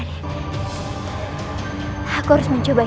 tak dapat dan nuevas